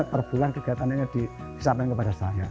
perbulan kegiatannya disampaikan kepada saya